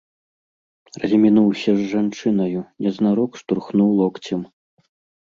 Размінуўся з жанчынаю, незнарок штурхнуў локцем.